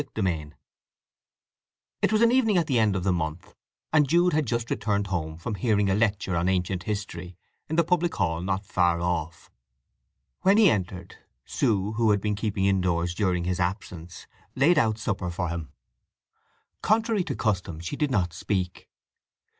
II It was an evening at the end of the month, and Jude had just returned home from hearing a lecture on ancient history in the public hall not far off. When he entered, Sue, who had been keeping indoors during his absence, laid out supper for him. Contrary to custom she did not speak.